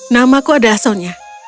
namaku adalah sonia